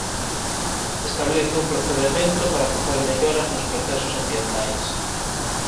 Establece un procedemento para facer melloras nos procesos ambientais.